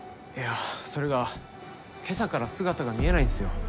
いやそれが今朝から姿が見えないんすよ。